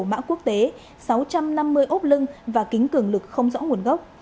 mã quốc tế sáu trăm năm mươi ốp lưng và kính cường lực không rõ nguồn gốc